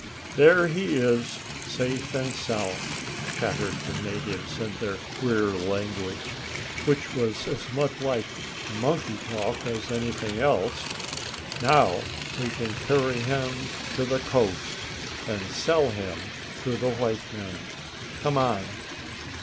"There he is, safe and sound!" chattered the natives, in their queer language, which was as much like monkey talk as anything else. "Now we can carry him to the coast, and sell him to the white men. Come on."